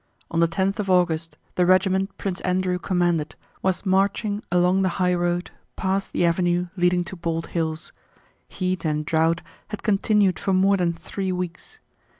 On the tenth of August the regiment Prince Andrew commanded was marching along the highroad past the avenue leading to Bald Hills. Heat and drought had continued for more than three weeks.